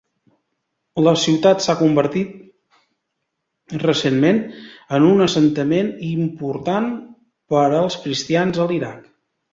La ciutat s'ha convertit recentment en un assentament important per als cristians a l'Iraq.